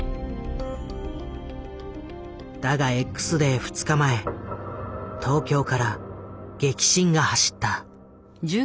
だがＸデー２日前東京から激震が走った。